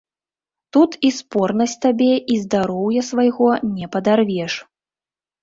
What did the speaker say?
Тут і спорнасць табе і здароўя свайго не падарвеш.